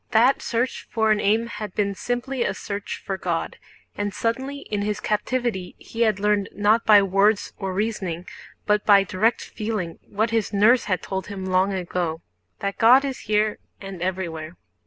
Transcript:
That search for an aim had been simply a search for God, and suddenly in his captivity he had learned not by words or reasoning but by direct feeling what his nurse had told him long ago: that God is here and everywhere.